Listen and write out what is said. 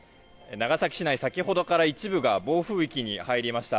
長崎市内先ほどから一部が暴風域に入りました。